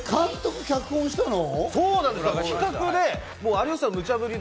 監督・脚本したの？